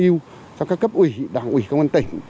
yêu cho các cấp ủy đảng ủy công an tỉnh